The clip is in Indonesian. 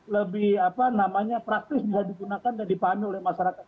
lebih apa namanya praktis bisa digunakan dan dipahami oleh masyarakat